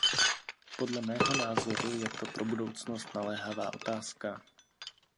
Podle mého názoru je to pro budoucnost naléhavá otázka.